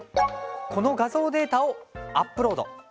この画像データをアップロード。